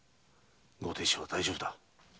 ご亭主は大丈夫だ。